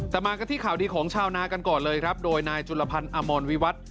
แต่มากันที่ข่าวดีของชาวนากันก่อนเลยครับโดยนายจุลพันธ์อมรวิวัตร